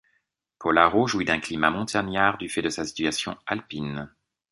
Paularo jouit d'un climat montagnard du fait de sa situation alpine.